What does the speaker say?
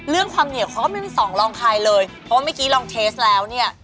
ความเหนียวเขาก็ไม่มีสองรองใครเลยเพราะว่าเมื่อกี้ลองเทสแล้วเนี่ย